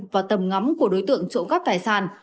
vào tầm ngắm của đối tượng trộm gắp tài sản